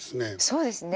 そうですね。